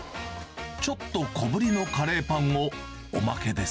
ちょっと小ぶりのカレーパンをおまけです。